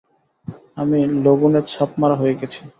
আমি লণ্ডনে ছাপমারা হয়ে গেছি।